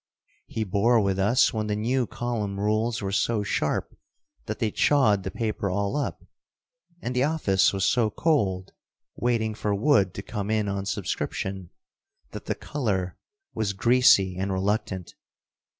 He bore with us when the new column rules were so sharp that they chawed the paper all up, and the office was so cold, waiting for wood to come in on subscription, that the "color" was greasy and reluctant.